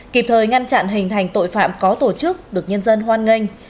kịp thời ngăn chặn hình thành tội phạm có tổ chức được nhân dân hoan nghênh